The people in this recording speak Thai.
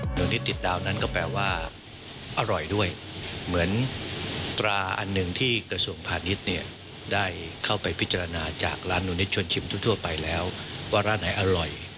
หนูนิดติดดาวนั้นก็แปลว่าอร่อยด้วยเหมือนตราอันหนึ่งที่กระทรวงพาณิชย์เนี่ยได้เข้าไปพิจารณาจากร้านหนูนิดชวนชิมทั่วไปแล้วว่าร้านไหนอร่อย